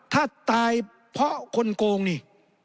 ถ้าตายเพราะคนโกงนี่